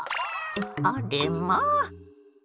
あれまあ！